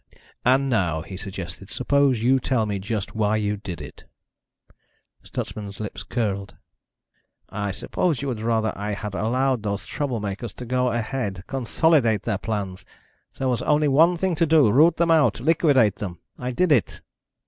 "And now," he suggested, "suppose you tell me just why you did it." Stutsman's lips curled. "I suppose you would rather I had allowed those troublemakers to go ahead, consolidate their plans. There was only one thing to do root them out, liquidate them. I did it."